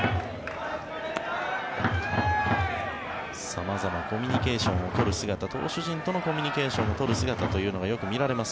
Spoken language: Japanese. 様々コミュニケーションを取る姿投手陣とのコミュニケーションを取る姿がよく見られます